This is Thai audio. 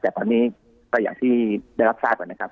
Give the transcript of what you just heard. แต่ตอนนี้ก็อย่างที่ได้รับทราบก่อนนะครับ